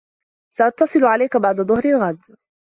سأتصل عليك بعد ظهر الغد.